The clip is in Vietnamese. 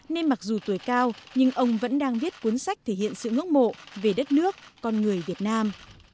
nên mặc dù tuổi cao nhưng ông vẫn đang viết cuốn sách thể hiện sự ngưỡng mộ về đất nước con người việt nam